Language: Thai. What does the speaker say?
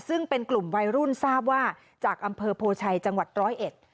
ซึ่งเป็นกลุ่มวัยรุ่นทราบว่าจากอำเภอโพชัยจังหวัดร้อยเอ็ด